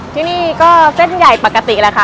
ที่นี่ก็เส้นใหญ่ปกติแหละค่ะ